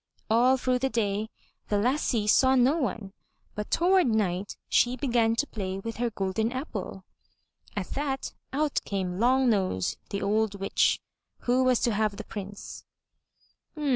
All through the day the lassie saw no one, but toward night she began to play with her golden apple. At that, out came Long nose, the old witch, who was to have the Prince.